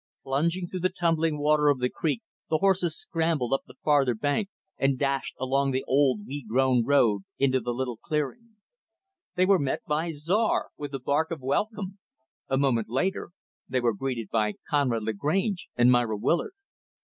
Plunging through the tumbling water of the creek, the horses scrambled up the farther bank, and dashed along the old, weed grown road, into the little clearing They were met by Czar with a bark of welcome. A moment later, they were greeted by Conrad Lagrange and Myra Willard.